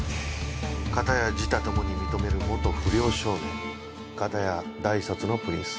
片や自他共に認める元不良少年片や大卒のプリンス。